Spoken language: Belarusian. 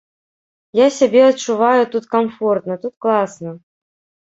Я сябе адчуваю тут камфортна, тут класна.